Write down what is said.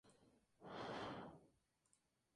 Fue donde el niño empezó a recibir una educación británica.